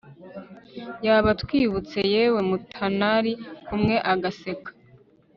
yaba atwibutse yewe mutanari kumwe agaseka